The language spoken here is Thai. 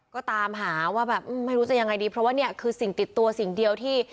ก็ตามหาว่าแบบไม่รู้จะยังไงดีเพราะว่าเนี่ยคือสิ่งติดตัวสิ่งเดียวที่